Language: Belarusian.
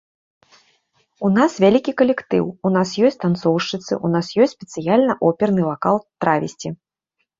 У нас вялікі калектыў, у нас ёсць танцоўшчыцы, у нас ёсць спецыяльны оперны вакал-травесці.